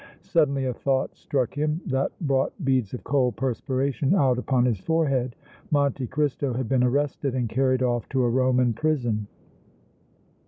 Suddenly a thought struck him that brought beads of cold perspiration out upon his forehead. Monte Cristo had been arrested and carried off to a Roman prison!